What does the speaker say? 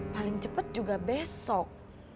paling cepet juga besok